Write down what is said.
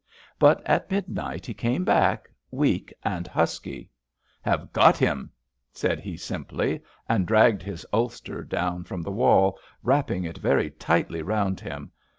But at midnight he came back, weak and husky. Have got him, said he simply, and dragged his ulster down from the wall, wrapping it very tightly round him.